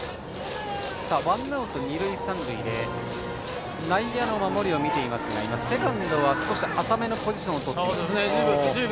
ワンアウト、二塁三塁で内野の守りを見ていますがセカンドは少し浅めのポジションをとっています。